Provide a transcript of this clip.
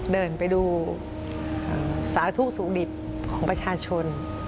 เดินไปดูสาธุสุขดิบของประชาชน